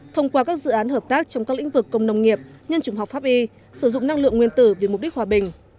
thông qua các dự án hợp tác trong các lĩnh vực công nông nghiệp nhân trùng học pháp y sử dụng năng lượng nguyên tử vì mục đích hòa bình